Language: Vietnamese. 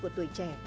của tuổi trẻ